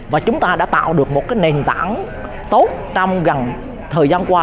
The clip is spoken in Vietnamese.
và chúng ta đã tạo được một nền tảng tốt trong gần thời gian qua